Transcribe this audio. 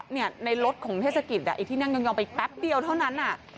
เนี่ยในรถของเทศกิจอ่ะไอ้ที่นั่งยองยองไปแป๊บเดียวเท่านั้นอ่ะ